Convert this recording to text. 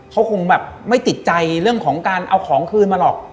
เขาคงแบบไม่ติดใจเรื่องของการเอาของคืนมาหรอก